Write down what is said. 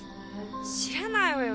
知らないわよ